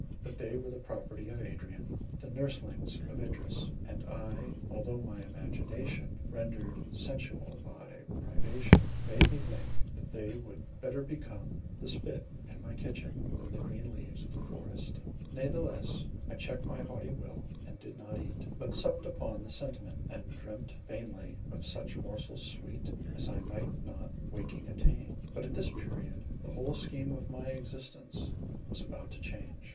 But they were the property of Adrian, the nurslings of Idris; and so, although my imagination rendered sensual by privation, made me think that they would better become the spit in my kitchen, than the green leaves of the forest, Nathelesse, I checked my haughty will, and did not eat; but supped upon sentiment, and dreamt vainly of "such morsels sweet," as I might not waking attain. But, at this period, the whole scheme of my existence was about to change.